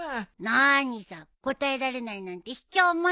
なにさ答えられないなんてひきょう者！